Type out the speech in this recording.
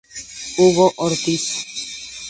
Hugo Ortiz.